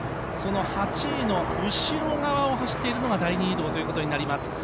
その８位の後ろ側を走っているのが第２移動ということになります。